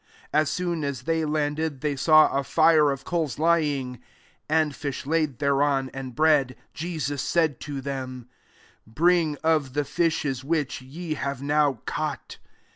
9 As soon as they landed, they saw a fire of coals lying, and fish laid thereon ; and bread. 10 Jesus said to them, " Bring of the fishes which ye have now caught.'